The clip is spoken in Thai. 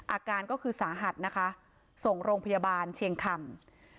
อาการก็คือสาหัสนะคะส่งโรงพยาบาลเชียงคำ